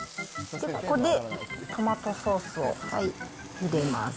ここでトマトソースを入れます。